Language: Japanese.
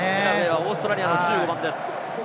オーストラリアの１５番です。